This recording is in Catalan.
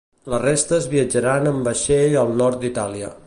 Les restes viatjaran amb vaixell al Nord d'Itàlia.